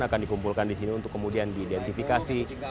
akan dikumpulkan di sini untuk kemudian diidentifikasi